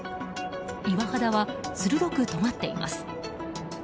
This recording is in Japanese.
岩肌は鋭くとがっています。